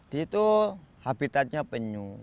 di itu habitatnya penyu